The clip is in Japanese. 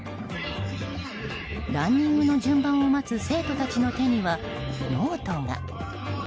ランニングの順番を待つ生徒たちの手にはノートが。